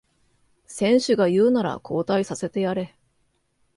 選手が言うなら交代させてやれ